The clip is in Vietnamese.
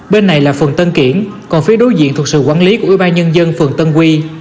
bên này là phường tân kiển còn phía đối diện thuộc sự quản lý của ủy ban nhân dân phường tân quy